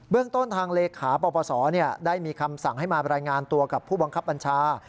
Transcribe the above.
เรื่องต้นทางเลขาปปศได้มีคำสั่งให้มารายงานตัวกับผู้บังคับบัญชา